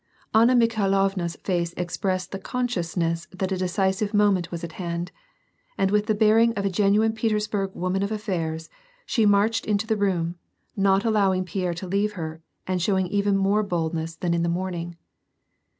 Anna Mikhailovna's face expressed the consciousness that a decisive moment was at hand ; and with the l)earing of a genuine Petersburg woman of affairs, she marclied into the room, not allowing Pierre to leave her, and showing even more boldness than in the morning.